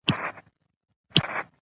عدالت د سولې او ثبات سبب ګرځي.